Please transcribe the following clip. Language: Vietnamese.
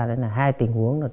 nên là hai tình huống